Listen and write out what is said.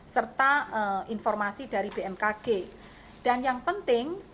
serta informasi dari bmkg